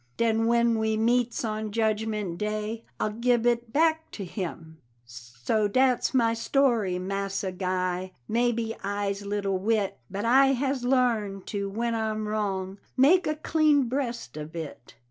Den when we meets on Judgment Day, I'll gib it back to him. So dat's my story, Massa Guy, Maybe I's little wit; But I has larned to, when I'm wrong, Make a clean breast ob it.